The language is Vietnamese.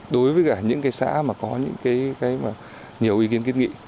đối với những xã mà có nhiều ý kiến kiến nghị